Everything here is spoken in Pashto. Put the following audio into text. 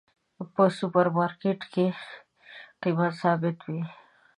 په سوپر مرکیټ کې قیمت ثابته وی